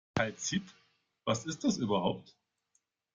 Kalzit, was ist das überhaupt?